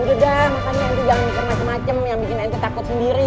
udah makanya jangan mikir macem macem yang bikin takut sendiri